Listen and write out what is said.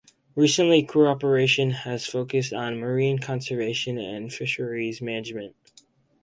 Recently, cooperation has focused on marine conservation and fisheries management.